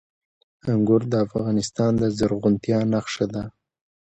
انګور د افغانستان د زرغونتیا نښه ده.